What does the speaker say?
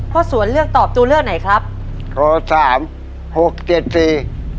สวนเลือกตอบตัวเลือกไหนครับข้อสามหกเจ็ดสี่